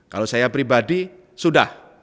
kalau saya pribadi sudah